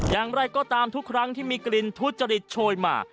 อย่างไรก็ตามทุกครั้งที่มีกลิ่นทุจริตโชยมา